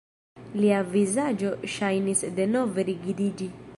Lia vizaĝo ŝajnis denove rigidiĝi.